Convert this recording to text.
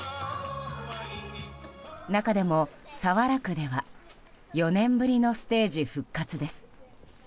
中でも早良区では４年ぶりのステージ復活です。